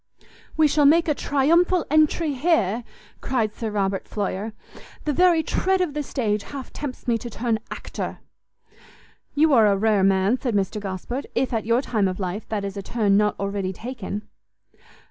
"We shall make a triumphal entry here," cried Sir Robert Floyer; "the very tread of the stage half tempts me to turn actor." "You are a rare man," said Mr Gosport, "if, at your time of life, that is a turn not already taken."